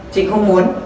chị không muốn